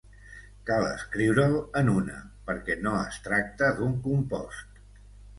Cal escriure'l en una, perquè no es tracta d'un compost.